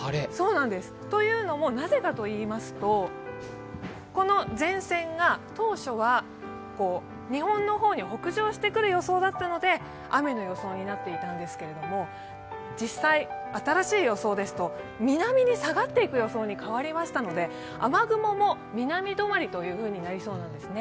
なぜかといいますと、前線が当初は日本の方に北上してくる予想だったので雨の予想になっていたんですけれども、実際新しい予想ですと南に下がっていく予想に変わりましたので雨雲も南止まりというふうになりそうなんですね。